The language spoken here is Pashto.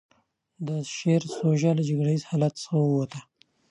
د شعر سوژه له جګړه ييز حالت څخه ووته.